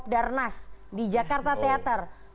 pop darnas di jakarta theater